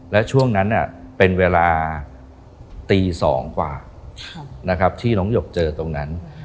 และช่วงนั้นเป็นเวลาตี๒กว่านะครับที่น้องหยกเจอตรงนั้น